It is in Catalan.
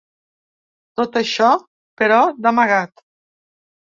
Tot això, però, d’amagat.